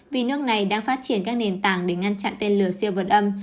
vì nước này đang phát triển các nền tảng để ngăn chặn tên lửa siêu vật âm